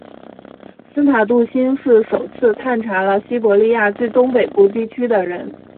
斯塔杜欣是首次探查了西伯利亚最东北部地区的人。